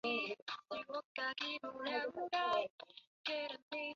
罗讷河畔阿尔拉。